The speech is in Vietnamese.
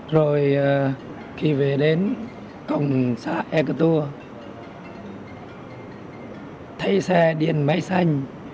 rồi khi về đến công xã ekatur thấy xe điện máy xanh